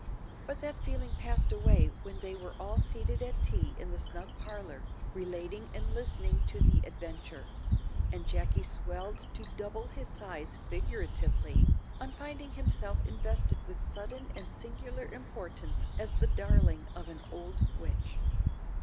But that feeling passed away when they were all seated at tea in the snug parlour, relating and listening to the adventure; and Jacky swelled to double his size, figuratively, on finding himself invested with sudden and singular importance as the darling of an "old witch."